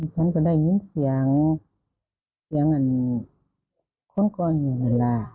ฉันก็ได้ยินเสียงเสียงอันคนก่อเหตุล่ะ